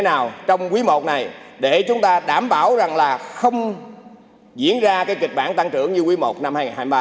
thế nào trong quý i này để chúng ta đảm bảo rằng là không diễn ra cái kịch bản tăng trưởng như quý i năm hai nghìn hai mươi ba